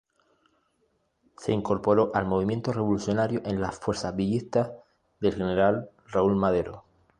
Se incorporó al movimiento revolucionario en las fuerzas villistas del general Raúl Madero.